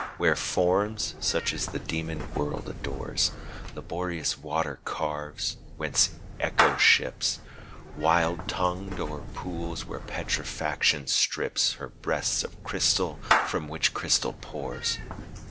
Where forms, such as the Demon World adores, Laborious water carves; whence echo ships Wild tongued o'er pools where petrifaction strips Her breasts of crystal from which crystal pours.